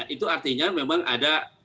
itu artinya memang ada